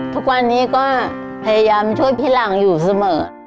ทุกวันนี้ก็พยายามช่วยพี่หลังอยู่เสมอ